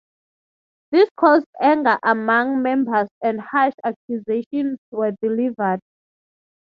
This caused anger among members and harsh accusations were delivered.